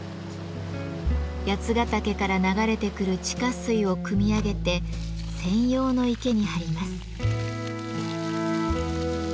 八ヶ岳から流れてくる地下水をくみ上げて専用の池に張ります。